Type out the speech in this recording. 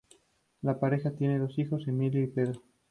La pareja tiene dos hijos: Emilio y Pedro.